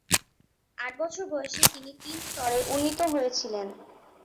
আট বছর বয়সে তিনি তিন স্তরে উন্নীত হয়েছিলেন।